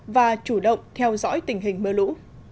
và chủ động theo dõi tình hình mưa lũ